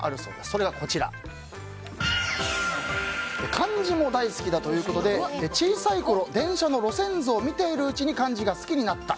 それが漢字も大好きということで小さいころ電車の路線図を見ているうちに漢字が好きになった。